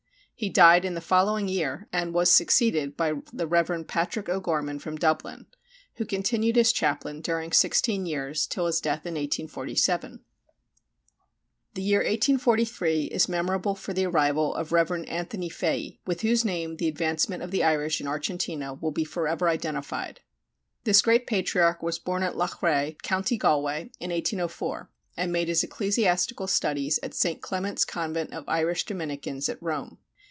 He died in the following year, and was succeeded by the Rev. Patrick O'Gorman from Dublin, who continued as chaplain during 16 years till his death in 1847. The year 1843 is memorable for the arrival of Rev. Anthony Fahy, with whose name the advancement of the Irish in Argentina will be forever identified. This great patriarch was born at Loughrea, Co. Galway, in 1804, and made his ecclesiastical studies at St. Clement's convent of Irish Dominicans at Rome.